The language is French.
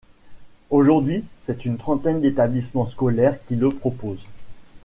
Aujourd'hui, c'est une trentaine d'établissements scolaires qui le proposent.